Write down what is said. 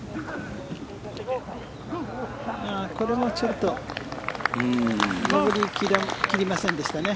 これもちょっと上り切りませんでしたね。